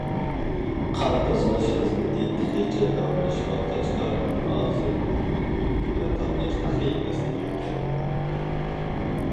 قار تازىلاش خىزمىتى تېخىچە داۋاملىشىۋاتقاچقا، ھازىر بۇ يول بۆلىكىدە قاتناش تېخى ئەسلىگە كەلمىدى.